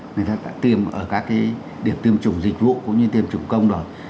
người ta đã tiêm ở các cái điểm tiêm chủng dịch vụ cũng như tiêm chủng công rồi